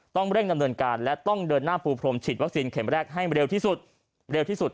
ต้องเร่งดำเนินการและต้องเดินหน้าปูพรมฉีดวัคซีนเข็มแรกให้เร็วที่สุดเร็วที่สุด